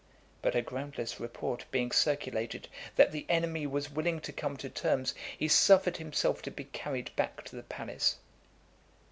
But a groundless report being circulated, that the enemy was willing to come to terms, he suffered himself to be carried back to the palace.